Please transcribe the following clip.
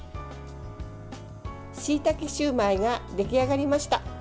しいたけシューマイが出来上がりました。